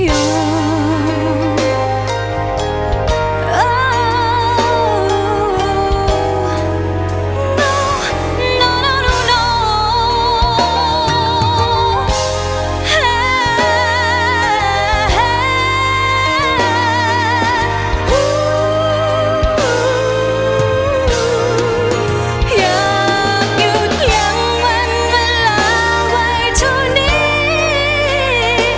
อยากหยุดอย่างวันเวลา